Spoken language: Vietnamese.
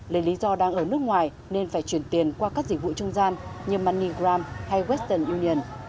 lấy lý do đang ở nước ngoài nên phải chuyển tiền qua các dịch vụ trung gian như monigram hay western union